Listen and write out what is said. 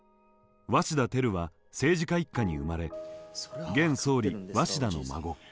鷲田照は政治家一家に生まれ現総理鷲田の孫。